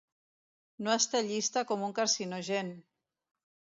No està llista com un carcinogen.